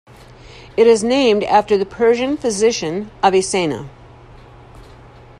It is named after the Persian physician Avicenna.